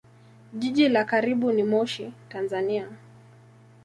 Jiji la karibu ni Moshi, Tanzania.